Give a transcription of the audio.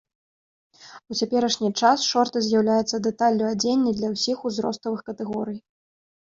У цяперашні час шорты з'яўляюцца дэталлю адзення для ўсіх узроставых катэгорый.